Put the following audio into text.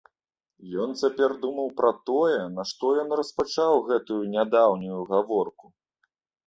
Ён цяпер думаў пра тое, нашто ён распачаў гэтую нядаўнюю гаворку.